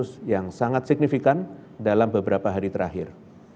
kasus yang sangat signifikan dalam beberapa hari terakhir